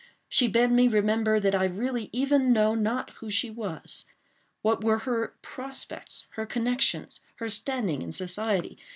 She bade me remember that I really even knew not who she was—what were her prospects, her connections, her standing in society.